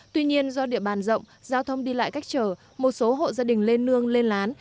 tuy nhiên do địa bàn rộng giao thông đi lại cách trở một số hộ gia đình lên nương lên lán